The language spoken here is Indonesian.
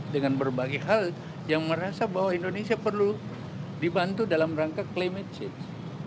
dengan berbagai hal yang merasa bahwa indonesia perlu dibantu dalam rangka climate change